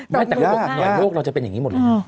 แต่ก็บอกหน่อยโรคเราจะเป็นอย่างนี้หมดเลย